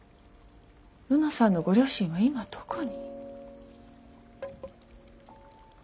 卯之さんのご両親は今どこに？